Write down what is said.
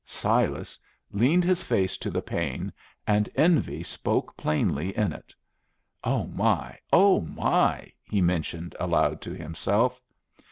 Silas leaned his face to the pane, and envy spoke plainly in it. "O my! O my!" he mentioned aloud to himself.